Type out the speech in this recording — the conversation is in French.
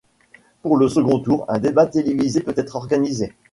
Pour le second tour, un débat télévisé peut être organisé.